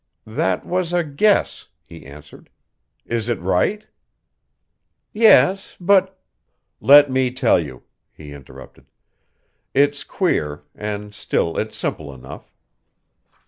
"That was a guess," he answered. "Is it right?" "Yes but " "Let me tell you," he interrupted. "It's queer, and still it's simple enough.